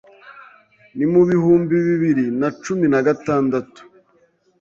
ni mu bihumbi bibiri na cumi na gatandatu